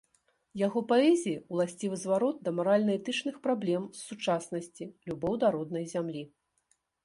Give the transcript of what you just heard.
Яго паэзіі ўласцівы зварот да маральна-этычных праблем сучаснасці, любоў да роднай зямлі.